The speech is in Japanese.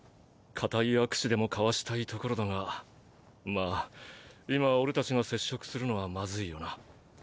固い握手でも交わしたいところだがまぁ今俺たちが接触するのはマズいよな。